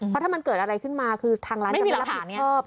เพราะถ้ามันเกิดอะไรขึ้นมาคือทางร้านจะไม่รับผิดชอบ